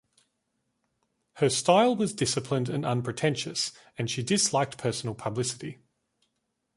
Her style was disciplined and unpretentious, and she disliked personal publicity.